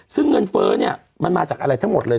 ซึ่งเงินเฟ้อเนี่ยมันมาจากอะไรทั้งหมดเลย